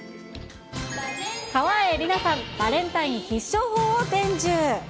川栄李奈さん、バレンタイン必勝法を伝授。